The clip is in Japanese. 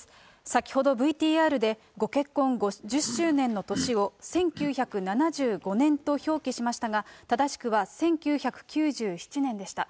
先ほどＶＴＲで、ご結婚５０周年の年を１９７５年と表記しましたが、正しくは１９９７年でした。